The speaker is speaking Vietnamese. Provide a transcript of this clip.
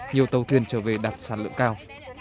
nhiều tàu thuyền trở về đặt sản lượng cao